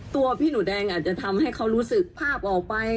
ตัวพี่หนูแดงอาจจะทำให้เขารู้สึกภาพออกไป